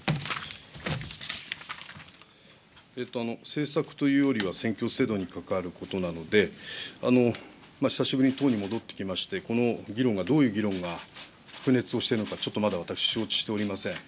政策というよりは、選挙制度に関わることなので、久しぶりに党に戻ってきまして、この議論がどういう議論が白熱をしてるのか、ちょっとまだ私、承知しておりません。